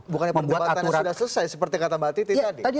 bukannya pembuatannya sudah selesai seperti kata mbak titi tadi